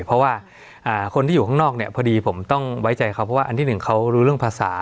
เพราะว่าคนที่อยู่ข้างนอกเนี่ยพอดีผมต้องไว้ใจเขาเพราะว่าอันที่หนึ่งเขารู้เรื่องภาษา